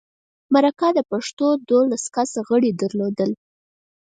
مرکه د پښتو دولس کسه غړي درلودل.